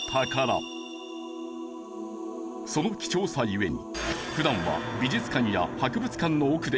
その貴重さ故に。